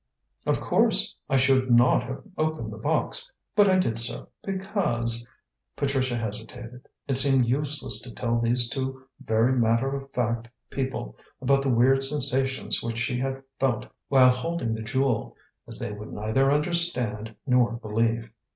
"Of course. I should not have opened the box, but I did so, because " Patricia hesitated. It seemed useless to tell these two very matter of fact people about the weird sensations which she had felt while holding the jewel, as they would neither understand nor believe.